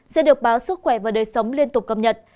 sẽ được báo sức khỏe và đời sống liên tục cập nhật